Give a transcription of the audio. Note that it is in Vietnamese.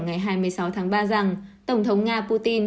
ngày hai mươi sáu tháng ba rằng tổng thống nga putin